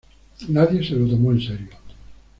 Nadie se lo tomó en serio.